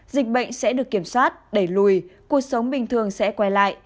dịch bệnh sẽ được kiểm soát đẩy lùi cuộc sống bình thường sẽ quay lại